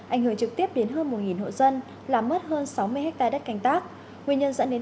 ảnh hưởng trực tiếp đến hơn một hộ dân làm mất hơn sáu mươi ha đất canh tác nguyên nhân dẫn đến